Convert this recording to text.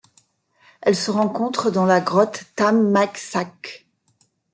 Elle se rencontre dans la grotte Tham Mak Sak.